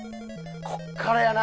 ここからやな！